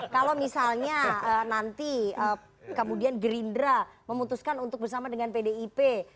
kalau misalnya nanti kemudian gerindra memutuskan untuk bersama dengan pdip